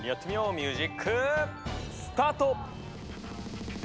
ミュージックスタート！